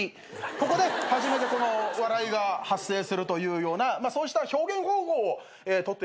ここで初めて笑いが発生するというようなそうした表現方法を取っているだけの。